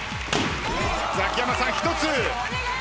ザキヤマさん１つ。